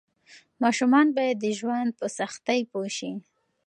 ماشومان باید د ژوند په سختۍ پوه شي.